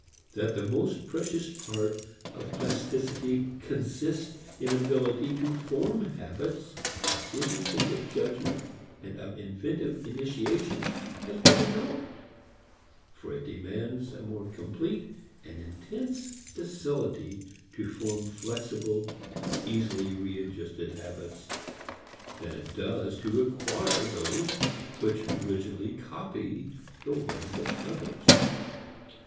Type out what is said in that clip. That the most precious part of plasticity consists in ability to form habits of independent judgment and of inventive initiation has been ignored. For it demands a more complete and intense docility to form flexible easily re adjusted habits than it does to acquire those which rigidly copy the ways of others.